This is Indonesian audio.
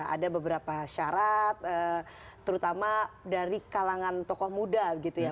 ada beberapa syarat terutama dari kalangan tokoh muda gitu ya